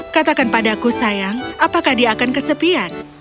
katakan padaku sayang apakah dia akan kesepian